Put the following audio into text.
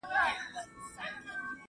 زه له سهاره قلم استعمالوموم؟!